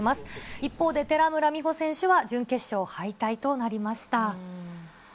一方で寺村美穂選手は準決勝敗退となりました。